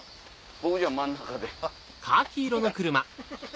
僕じゃあ真ん中で。